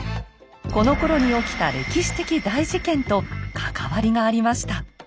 このころに起きた歴史的大事件と関わりがありました。